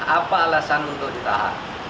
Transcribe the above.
apa alasan untuk ditahan